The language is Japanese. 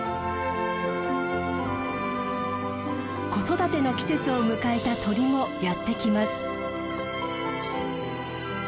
子育ての季節を迎えた鳥もやって来ます。